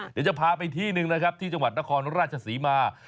เดี๋ยวจะพาไปที่หนึ่งนะครับที่จังหวัดนครราชศรีมา